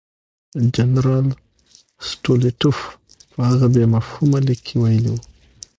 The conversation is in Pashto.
جنرال سټولیټوف په هغه بې مفهومه لیک کې ویلي وو.